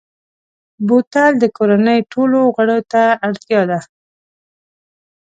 بوتل د کورنۍ ټولو غړو ته اړتیا ده.